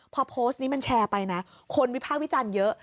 พอโพสต์นี้มันแชร์ไปนะคนวิภาควิจารณ์เยอะ